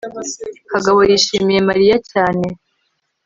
kagabo yishimiye mariya cyane